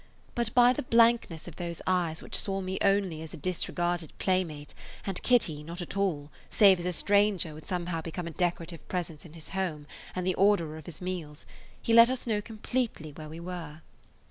But by the blankness of those eyes which saw me only as a disregarded playmate and Kitty not at all save as a stranger who had somehow become a decorative presence in his home and the orderer of his meals he let us know completely where we were.